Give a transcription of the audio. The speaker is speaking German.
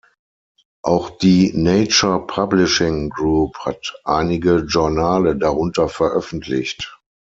Auch die Nature Publishing Group hat einige Journale darunter veröffentlicht.